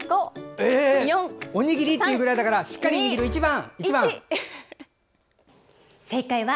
おにぎりっていうぐらいだからしっかり握る、１番。